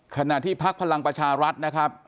ขณะที่พลักษณ์พลังประชารัฐนะครับ